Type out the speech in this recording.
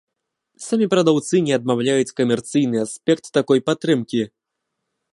Самі прадаўцы не адмаўляюць камерцыйны аспект такой падтрымкі.